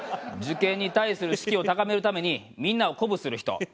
受験に対する士気を高めるためにみんなを鼓舞する人。